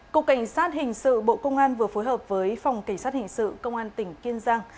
cục cảnh sát hình sự bộ công an vừa phối hợp với phòng cảnh sát hình sự công an tỉnh kiên giang